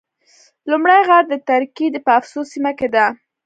لومړی غار د ترکیې په افسوس سیمه کې ده.